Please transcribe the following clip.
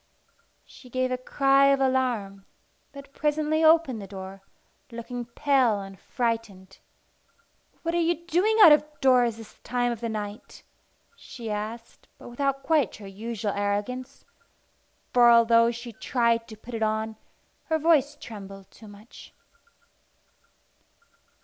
She gave a cry of alarm, but presently opened the door, looking pale and frightened. "What are you doing out of doors this time of the night?" she asked, but without quite her usual arrogance, for, although she tried to put it on, her voice trembled too much.